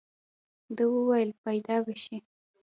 ده وويل پيدا به شي.